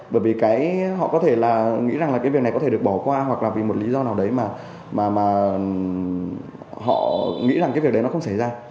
bởi vì cái họ có thể là nghĩ rằng là cái việc này có thể được bỏ qua hoặc là vì một lý do nào đấy mà họ nghĩ rằng cái việc đấy nó không xảy ra